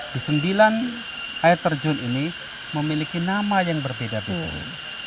di sembilan air terjun ini memiliki nama yang berbeda beda